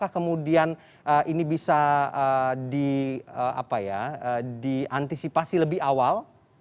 kemudian ini bisa di apa ya diantisipasi lebih awal